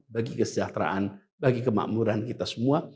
bagi kesejahteraan bagi kemakmuran kita semua